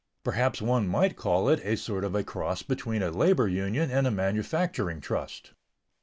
Perhaps one might call it a sort of a cross between a labor union and a manufacturing trust.